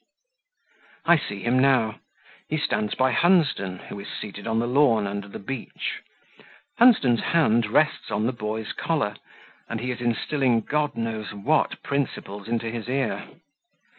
I see him now; he stands by Hunsden, who is seated on the lawn under the beech; Hunsden's hand rests on the boy's collar, and he is instilling God knows what principles into his ear.